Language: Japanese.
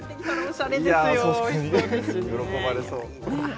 喜ばれそう。